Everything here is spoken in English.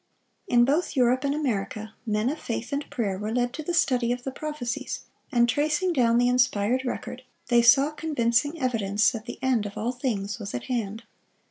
In both Europe and America, men of faith and prayer were led to the study of the prophecies, and tracing down the inspired record, they saw convincing evidence that the end of all things was at hand.